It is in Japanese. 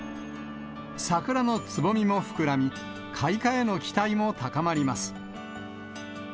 桜のつぼみも膨らみ、開花への期待も高まります。